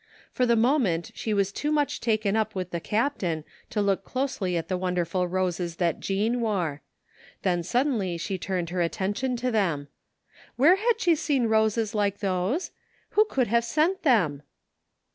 For the moment she was too much taken up with the captain to look closely at the wonderful roses that Jean wore; then suddenly she turned her attention to them. Where had she seen roses like those? Who could have sent them?